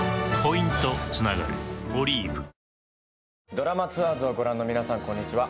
『ドラマツアーズ』をご覧の皆さんこんにちは。